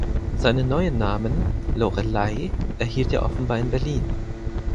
Seinen neuen Namen "Loreley" erhielt er offenbar in Berlin.